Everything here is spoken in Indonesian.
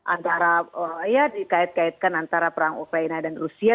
antara ya dikait kaitkan antara perang ukraina dan rusia